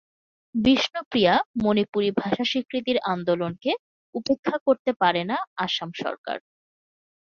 বিষ্ণুপ্রিয়া মণিপুরী ভাষা স্বীকৃতির আন্দোলনকে উপেক্ষা করতে পারেনা আসাম সরকার।